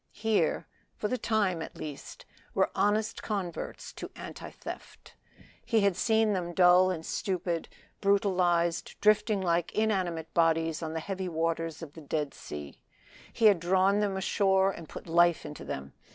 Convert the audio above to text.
Here for the time at least were honest converts to anti theft. He had seen them dull and stupid, brutalized, drifting like inanimate bodies on the heavy waters of the Dead Sea. He had drawn them ashore and put life into them.